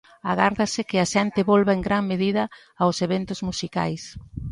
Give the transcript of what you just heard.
Agárdase que a xente volva en gran medida aos eventos musicais.